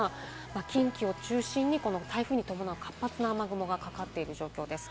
近畿を中心に台風に伴う活発な雨雲がかかっている状況です。